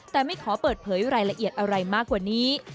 แต่ไม่ขอเปิดเผยรายละเอียดอะไรมากกว่านี้